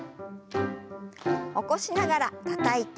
起こしながらたたいて。